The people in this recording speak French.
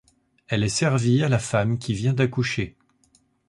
Elle est servie à la femme qui vient d'accoucher.